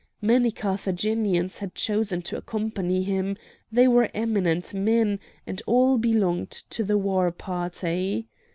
Many Carthaginians had chosen to accompany him; they were eminent men, and all belonged to the war party.